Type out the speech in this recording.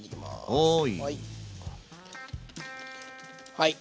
はい。